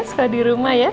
sekolah di rumah ya